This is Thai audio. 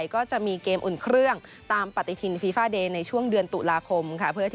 กับคุ้มค่าในการดูแล้วก็